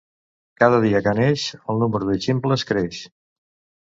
Cada dia que neix, el número de ximples creix.